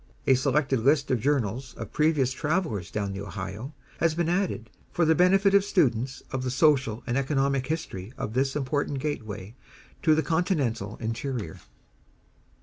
A selected list of Journals of previous travelers down the Ohio, has been added, for the benefit of students of the social and economic history of this important gateway to the continental interior.